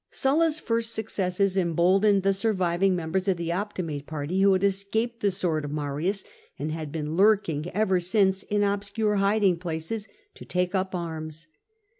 Sulla's first successes emboldened the surviving mem bers of the Optimate party, who had escaped the sword of Marius, and had been lurking ever since in obscure hiding places, to take arms.